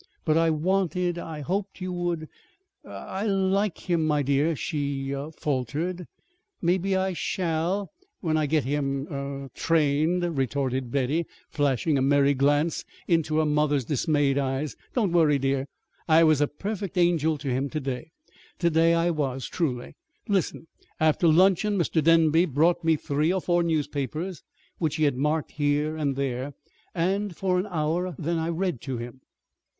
"But I wanted I hoped you would er l like him, my dear," she faltered. "Maybe I shall when I get him er trained," retorted Betty, flashing a merry glance into her mother's dismayed eyes. "Don't worry, dear. I was a perfect angel to him to day. Truly I was. Listen! After luncheon Mr. Denby brought me three or four newspapers which he had marked here and there; and for an hour then I read to him.